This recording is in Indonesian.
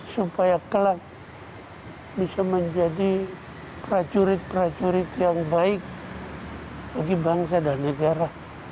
supaya kelak bisa menjadi prajurit prajurit yang baik bagi bangsa dan negara